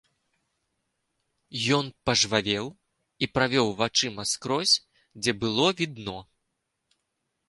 Ён пажвавеў і правёў вачыма скрозь, дзе было відно.